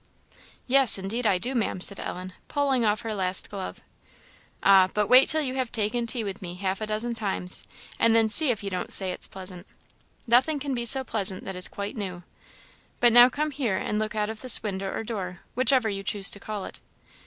"Yes, indeed I do, Maam," said Ellen, pulling off her last glove. "Ah, but wait till you have taken tea with me half a dozen times, and then see if you don't say it is pleasant. Nothing can be so pleasant that is quite new. But now come here and look out of this window or door, whichever you choose to call it.